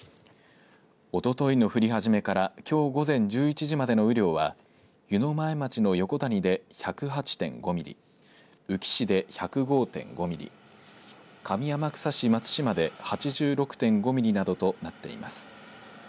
おとといの降り始めからきょう午前１１時までの雨量は湯前町の横谷で１０８．５ミリ宇城市で１０５．５ミリ上天草市松島で８６．５ミリなどとなっています。